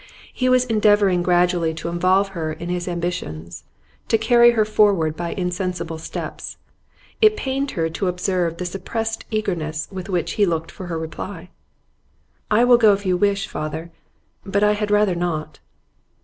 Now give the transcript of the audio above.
He was endeavouring gradually to involve her in his ambitions, to carry her forward by insensible steps. It pained her to observe the suppressed eagerness with which he looked for her reply. 'I will go if you wish, father, but I had rather not.